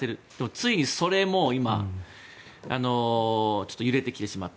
ついにそれも今ちょっと揺れてきてしまった。